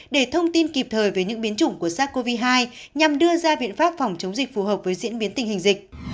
để thông tin kịp thời về những biến chủng của sars cov hai nhằm đưa ra biện pháp phòng chống dịch phù hợp với diễn biến tình hình dịch